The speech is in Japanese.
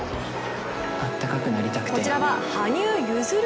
こちらは羽生結弦